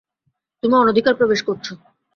তুমি অনধিকার প্রবেশ করছো!